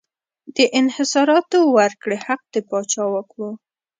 د انحصاراتو ورکړې حق د پاچا واک و.